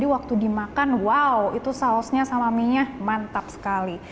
wow itu sausnya sama mie nya mantap sekali